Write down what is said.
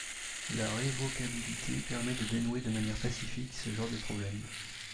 La révocabilité permet de dénouer de manière pacifique ce genre de problème.